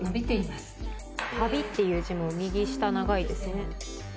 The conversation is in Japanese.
「度」っていう字も右下長いですね。